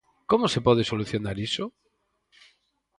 Como se pode solucionar iso?